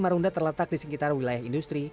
marunda terletak di sekitar wilayah industri